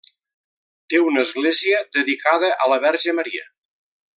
Té una església dedicada a la Verge Maria.